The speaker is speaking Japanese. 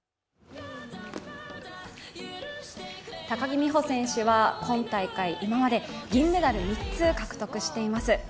高木美帆選手は今大会今まで銀メダル３つ獲得しています